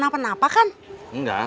saya tidak ada yang menguruskan